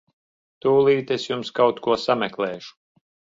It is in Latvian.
Tūlīt es jums kaut ko sameklēšu.